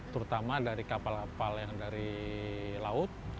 terutama dari kapal kapal yang dari laut